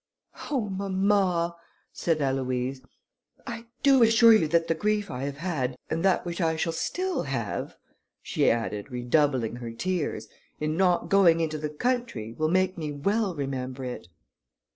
"Oh! mamma," said Aloïse, "I do assure you that the grief I have had, and that which I shall still have," she added, redoubling her tears, "in not going into the country, will make me well remember it."